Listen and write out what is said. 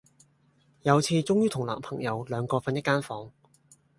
有次終於同男朋友兩個訓一間房